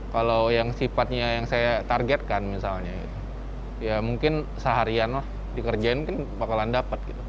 kalau yang sifatnya yang saya targetkan misalnya ya mungkin seharian lah dikerjain mungkin bakalan dapat gitu